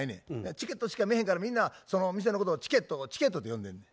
「チケット」しか見えへんからみんなはそのお店のことを「チケットチケット」って呼んでんねや。